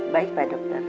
baik pak dokter